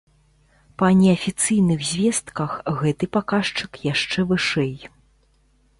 Па неафіцыйных звестках, гэты паказчык яшчэ вышэй.